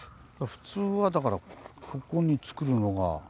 普通はだからここにつくるのが。